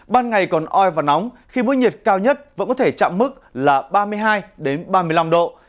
ban ngày còn oi và nóng khi mức nhiệt cao nhất vẫn có thể chạm mức là ba mươi hai ba mươi năm độ